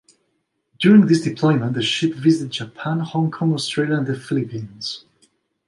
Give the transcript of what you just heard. During this deployment the ship visited Japan, Hong Kong, Australia and the Philippines.